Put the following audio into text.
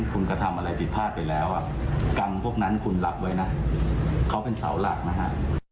เขาเป็นเสาหลักนะฮะ